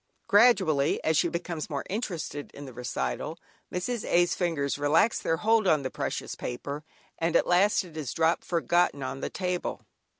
Gradually, as she becomes more interested in the recital, Mrs. A's. fingers relax their hold on the precious paper, and at last it is dropped, forgotten, upon the table.